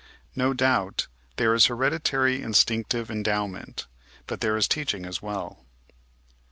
No doubt there is hereditary instinctive endowment, but there is teaching as well.